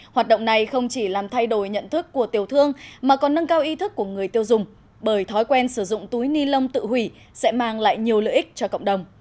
hoạt động này không chỉ làm thay đổi nhận thức của tiểu thương mà còn nâng cao ý thức của người tiêu dùng bởi thói quen sử dụng túi ni lông tự hủy sẽ mang lại nhiều lợi ích cho cộng đồng